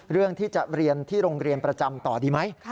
เรื่องที่จะเรียนที่โรงเรียนประจำต่อดีไหม